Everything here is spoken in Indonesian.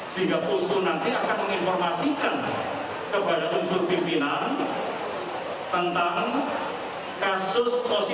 sehingga posko nanti akan menginformasikan kepada unsur pimpinan tentang kasus positif